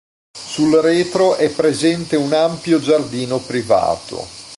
Sul retro è presente un ampio giardino privato.